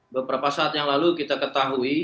beberapa saat yang lalu kita ketahui